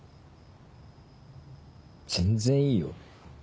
全然いいよ。